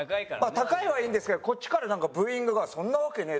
高いはいいんですけどこっちからなんかブーイングが「そんなわけねえだろ」みたいな。